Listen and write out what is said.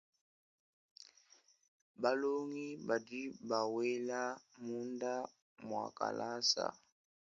Balongi badi bawela munda mwa kalasa.